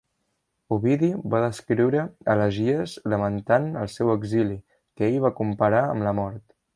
Ovidi va escriure elegies lamentant el seu exili, que ell va comparar amb la mort.